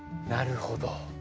なるほど。